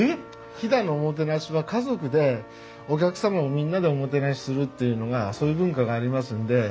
飛騨のおもてなしは家族でお客様をみんなでおもてなしするっていうのがそういう文化がありますんで。